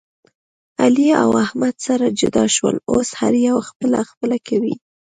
علي او احمد سره جدا شول. اوس هر یو خپله خپله کوي.